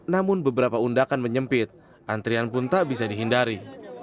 namun beberapa undakan menyempit antrian pun tak bisa dihindari